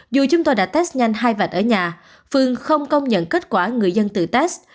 dù chúng tôi đã test nhanh hai vạch ở nhà phương không công nhận kết quả người dân tự test